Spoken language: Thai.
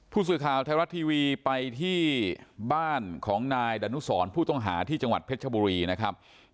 ผู้สื่อข่าวไทยรัฐทีวีไปที่บ้านของนายดานุสรผู้ต้องหาที่จังหวัดเพชรชบุรีนะครับ